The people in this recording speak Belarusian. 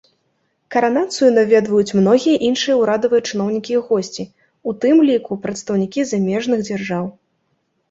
Каранацыю наведваюць многія іншыя ўрадавыя чыноўнікі і госці, у тым ліку прадстаўнікі замежных дзяржаў.